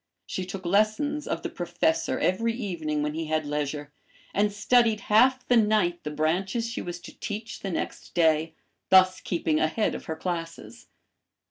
She took lessons of the Professor every evening when he had leisure, and studied half the night the branches she was to teach the next day, thus keeping ahead of her classes.